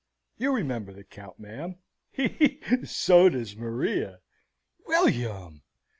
You remember the Count, ma'am; he! he! and so does Maria!" "William!"